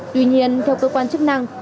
tuy nhiên theo cơ quan chức năng